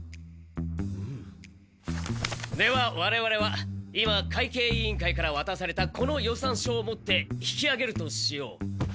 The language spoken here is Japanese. ではわれわれは今会計委員会からわたされたこの予算書を持って引きあげるとしよう。